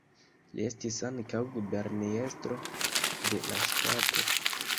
Li estis ankaŭ guberniestro de la ŝtato.